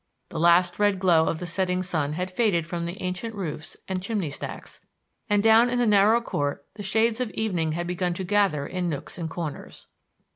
The last red glow of the setting sun had faded from the ancient roofs and chimney stacks, and down in the narrow court the shades of evening had begun to gather in nooks and corners.